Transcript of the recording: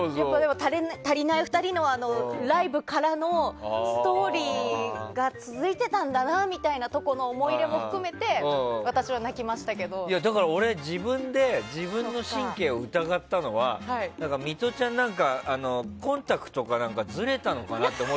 「たりないふたり」のライブからのストーリーが続いていたんだなみたいなところの思い入れも含めて自分で自分の神経を疑ったのはミトちゃんはコンタクトがずれたのかなと。